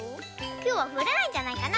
きょうはふらないんじゃないかな？